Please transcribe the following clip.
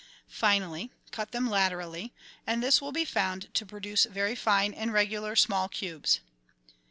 Finally, cut them laterally, and this will be found to produce very fine and regular, small cubes.